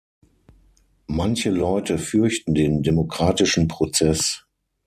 Manche Leute fürchten den demokratischen Prozess.